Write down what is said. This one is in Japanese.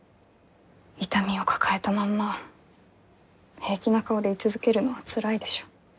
痛みを抱えたまんま平気な顔で居続けるのはつらいでしょ。